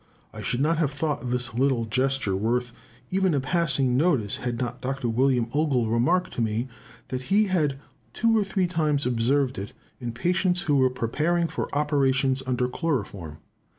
I should not have thought this little gesture worth even a passing notice, had not Dr. W. Ogle remarked to me that he had two or three times observed it in patients who were preparing for operations under chloroform.